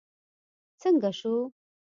څنګه شو.